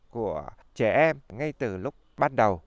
của trẻ em ngay từ lúc bắt đầu